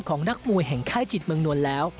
ของนักมวยแห่งค่ายจิตเบิร์งนลแล้ว